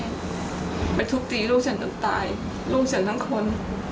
ขัมเติบและแบ่งถูกตีลูกฉันต้องตายลูกฉันทั้งคน